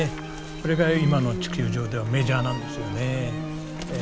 それが今の地球上ではメジャーなんですよねええ。